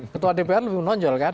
ketua dpr lebih menonjolkan